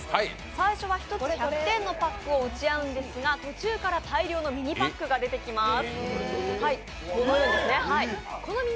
最初は、１つ１００点のパックを打ち合うんですが、途中から大量のミニパックが出てきます。